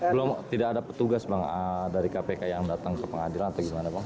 belum tidak ada petugas bang dari kpk yang datang ke pengadilan atau gimana bang